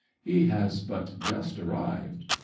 " He has but just arrived."